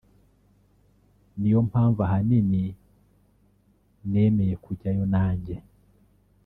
niyo mpamvu ahanini nemeye kujyayo nanjye